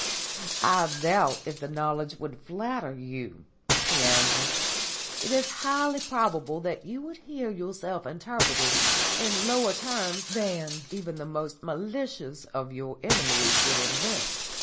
"I doubt if the knowledge would flatter you," he answered. "It is highly probable that you would hear yourself interpreted in lower terms than even the most malicious of your enemies could invent.